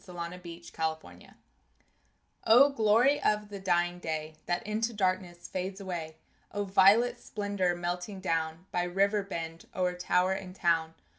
Glory of the Dying Day O glory of the dying day That into darkness fades away! O violet splendor melting down By river bend o'er tower and town!